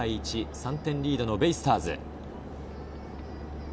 ３点リードのベイスターズ。